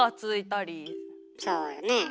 そうよね。